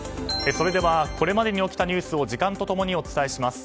それではこれまでに起きたニュースを時間と共にお伝えします。